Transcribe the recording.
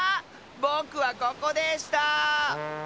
ぼくはここでした！